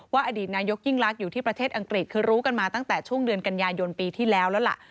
อดีตนายกยิ่งลักษณ์อยู่ที่ประเทศอังกฤษคือรู้กันมาตั้งแต่ช่วงเดือนกันยายนปีที่แล้วแล้วล่ะ